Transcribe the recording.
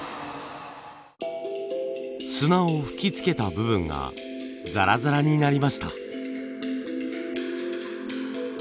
砂を吹きつけた部分がザラザラになりました。